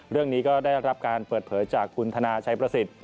เรื่องนี้ก็ได้รับการเปิดเผยจากคุณธนาชัยประสิทธิ์